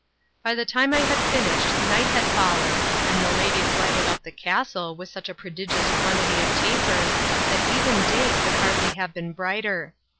By the time I had finished night had fallen, and the ladies lighted up the castle with such a prodigious quantity of tapers that even day could hardly have been brighter.